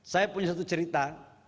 saya punya satu cerita